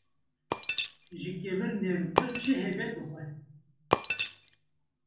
Ji kevir nermtir çi hebe dixwe.